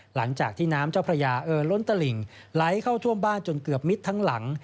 หลังจากที่น้ำเจ้าพระยาเอ่อล้นตลิ่งไหลเข้าท่วมบ้านจนเกือบมิดทั้งหลัง